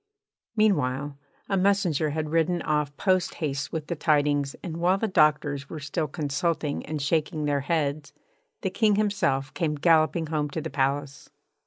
Meanwhile, a messenger had ridden off posthaste with the tidings, and while the doctors were still consulting and shaking their heads the King himself came galloping home to the palace.